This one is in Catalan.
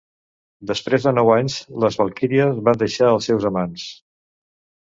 Després de nou anys, les valquíries van deixar els seus amants.